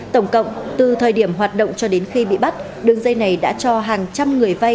tổng cộng từ thời điểm hoạt động cho đến khi bị bắt đường dây này đã cho hàng trăm người vay